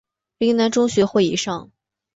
岭南中学或以上。